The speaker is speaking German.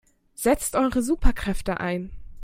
Setzt eure Superkräfte ein!